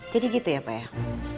jadi gitu ya pak